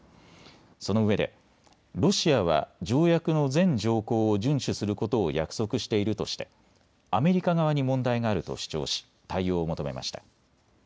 そのうえでロシアは条約の全条項を順守することを約束しているとしてアメリカ側に問題があると主張し、対応を求めました。